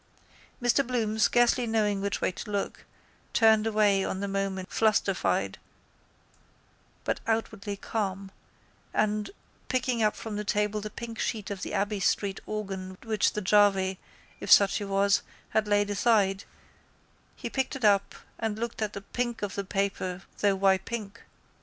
Mr Bloom, scarcely knowing which way to look, turned away on the moment flusterfied but outwardly calm, and, picking up from the table the pink sheet of the Abbey street organ which the jarvey, if such he was, had laid aside, he picked it up and looked at the pink of the paper though why pink.